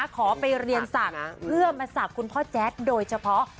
ขอไปเรียนสักเพื่อมาสับคุณพ่อแจ๊สโดยเฉพาะ